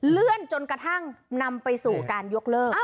เลื่อนจนกระทั่งนำไปสู่การยกเลิก